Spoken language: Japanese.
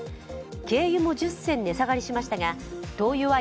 軽油も１０銭値下がりしましたが、灯油は